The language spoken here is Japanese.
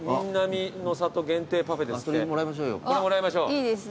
それもらいましょうよ。